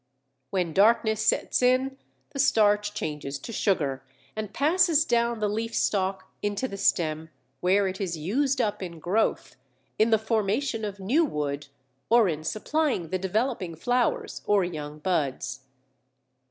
When darkness sets in, the starch changes to sugar and passes down the leaf stalk into the stem, where it is used up in growth, in the formation of new wood or in supplying the developing flowers or young buds.